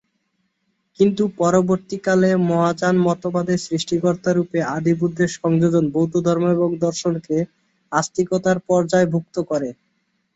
কিন্তু পরবর্তীকালে মহাযান মতবাদে সৃষ্টিকর্তারূপে আদিবুদ্ধের সংযোজন বৌদ্ধধর্ম ও দর্শনকে আস্তিকতার পর্যায়ভুক্ত করে।